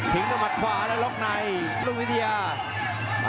ทิ้งด้วยมัดขวาและรอบในลูกภูยา